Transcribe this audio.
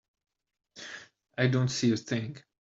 I don't see a thing.